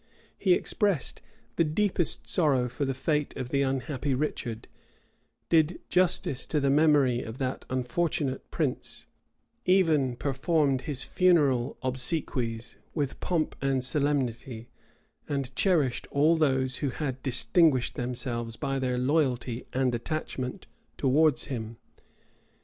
He expressed the deepest sorrow for the fate of the unhappy Richard, did justice to the memory of that unfortunate prince, even performed his funeral obsequies with pomp and solemnity, and cherished all those who had distinguished themselves by their loyalty and attachment towards him.